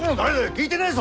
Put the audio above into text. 聞いてねえぞ！